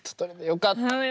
よかった。